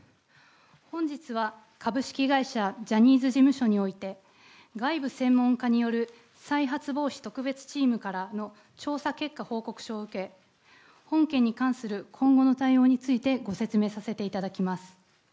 本日は株式会社ジャニーズ事務所において外部専門家による再発防止特別チームからの調査結果報告書を受け本件に関する今後の対応についてご説明させていただきます。